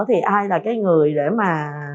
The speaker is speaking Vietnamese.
thì ai là cái người để mà